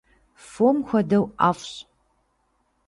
Фом хуэдэу ӏэфӏщ.